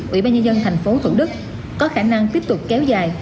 ủy ban nhân dân thành phố thuận đức có khả năng tiếp tục kéo dài